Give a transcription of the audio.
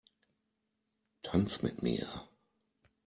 Tanz mit mir!